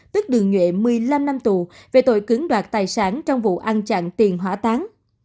tức đường nhuệ một mươi năm năm tù về tội cứng đoạt tài sản trong vụ ăn chặn tiền hỏa táng